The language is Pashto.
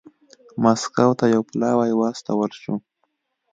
مسکو ته یو پلاوی واستول شو.